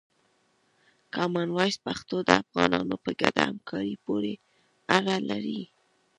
کامن وایس پښتو د افغانانو په ګډه همکاري پورې اړه لري.